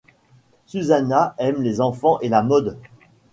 Susannah aime les enfants et la mode.